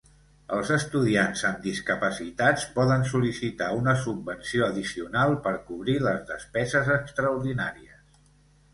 Els estudiants amb discapacitats poden sol·licitar una subvenció addicional per cobrir les despeses extraordinàries.